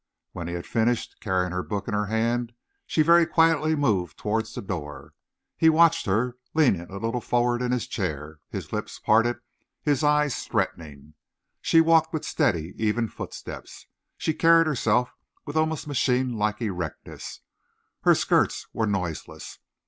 When he had finished, carrying her book in her hand, she very quietly moved towards the door. He watched her, leaning a little forward in his chair, his lips parted, his eyes threatening. She walked with steady, even footsteps. She carried herself with almost machine like erectness; her skirts were noiseless.